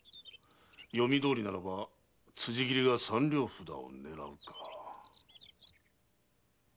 読みどおりならば辻斬りが三両札を狙うか。